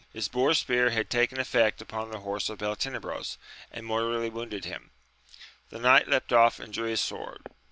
His boar spear had taken effect upon the horse of Beltenebros, and mortally wounded him. The knight leapt off and drew his sword.